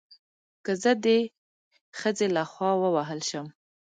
که زه د خځې له خوا ووهل شم